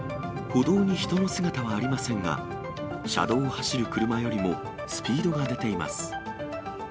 歩道に人の姿はありませんが、車道を走る車よりもスピードが出ています。